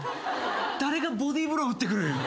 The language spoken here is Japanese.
誰がボディーブロー打ってくるん？